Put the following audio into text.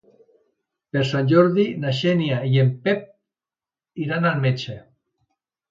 Per Sant Jordi na Xènia i en Pep iran al metge.